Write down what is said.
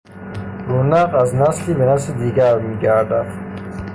رونق از نسلی به نسل دیگر میگردد.